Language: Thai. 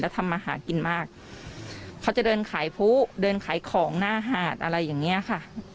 ทำมาหากินมากเขาจะเดินขายผู้เดินขายของหน้าหาดอะไรอย่างเงี้ยค่ะ